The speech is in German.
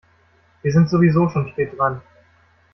Wir sind sowieso schon spät dran.